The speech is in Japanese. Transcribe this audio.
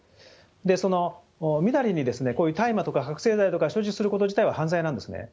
そのみだりにこういう大麻とか覚醒剤とか、所持すること自体は犯罪なんですね。